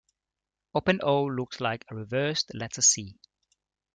Open o looks like a reversed letter 'C'.